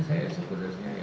saya sebenarnya ya